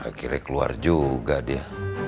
akhirnya keluar juga dia